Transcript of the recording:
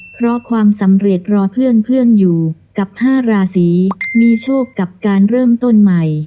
เพราะความสำเร็จรอเพื่อนอยู่กับ๕ราศีมีโชคกับการเริ่มต้นใหม่